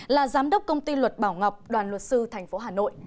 là giám đốc công ty luật bảo ngọc đoàn luật sư thành phố hà nội